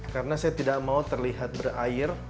karena saya tidak mau terlihat berair